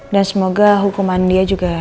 semoga hukuman dia juga